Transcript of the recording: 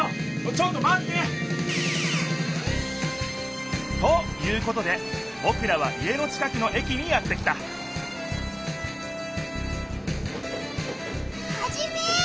ちょっとまって！ということでぼくらは家の近くの駅にやって来たハジメ！